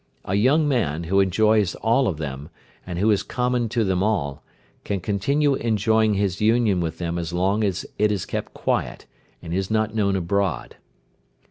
A young man, who enjoys all of them, and who is common to them all, can continue enjoying his union with them so long as it is kept quiet, and is not known abroad.